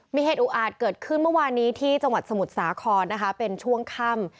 มีเหตุอุอาจเกิดขึ้นเมื่อวานนี้ที่จังหวัดสมุทรสาครนะคะเป็นช่วงค่ำ